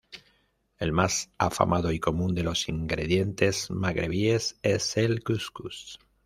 El más afamado y común de los ingredientes magrebíes es el: Cuscús.